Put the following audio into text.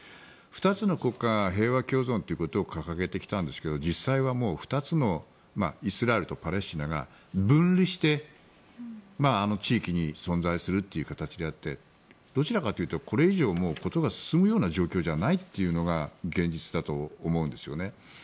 ２つの国家が平和共存ということを掲げてきたんですが実際は２つのイスラエルとパレスチナが分離して、あの地域に存在するという形であってどちらかというともうこれ以上事が進むわけではないという見方が現実だと思うんですよね。